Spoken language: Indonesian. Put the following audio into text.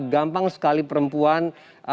gampang sekali perempuan